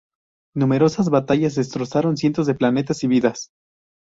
Numerosas batallas destrozaron cientos de planetas y vidas.